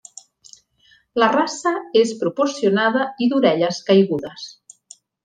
La raça és proporcionada i d'orelles caigudes.